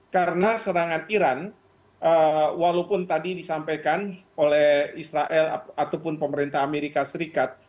karena serangan iran walaupun tadi disampaikan oleh israel ataupun pemerintah amerika serikat